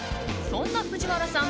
そんな藤原さん